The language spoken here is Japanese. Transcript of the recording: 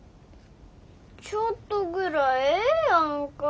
ちょっとぐらいええやんか。